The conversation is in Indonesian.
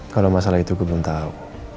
kalau masalah itu gue belum tahu